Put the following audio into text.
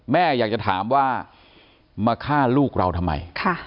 แม่อยากจะถามว่ามาฆ่าลูกเราทำไม